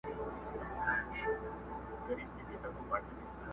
چي تر کومي اندازې مو قدر شان وو!!